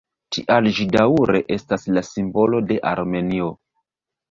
Tial ĝi daŭre estas la simbolo de Armenio.